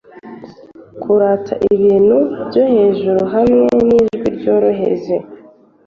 Kurata ibintu byo hejuru hamwe nijwi ryoroheje,